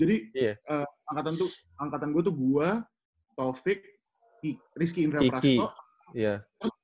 iya jadi angkatan gue tuh gue taufik rizky indra prasno